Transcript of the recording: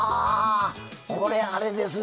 これ、あれですね。